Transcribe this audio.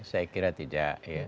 saya kira tidak